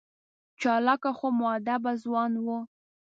چالاکه خو مودبه ځوان و.